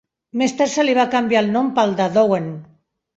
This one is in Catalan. Més tard se li va canviar el nom pel de Downe.